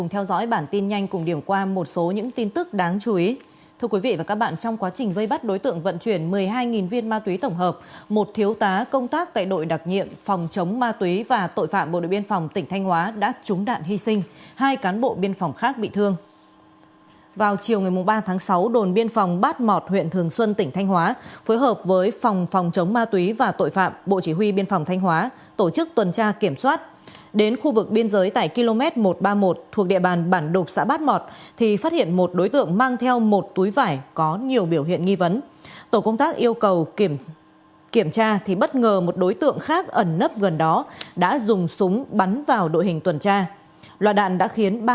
hãy đăng ký kênh để ủng hộ kênh của chúng mình nhé